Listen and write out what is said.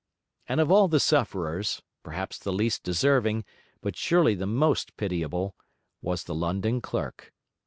And of all the sufferers, perhaps the least deserving, but surely the most pitiable, was the London clerk.